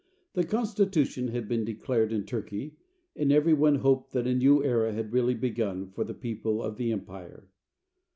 The constitution had been declared in Turkey and everyone hoped that a new era had really begun for the people of the empire.